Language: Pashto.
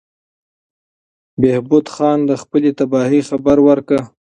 بهبود خان د خپلې تباهۍ خبره وکړه.